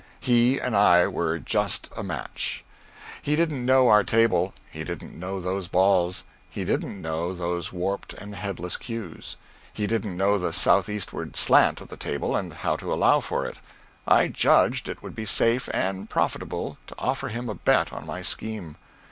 He and I were just a match. He didn't know our table; he didn't know those balls; he didn't know those warped and headless cues; he didn't know the southeastern slant of the table, and how to allow for it. I judged it would be safe and profitable to offer him a bet on my scheme.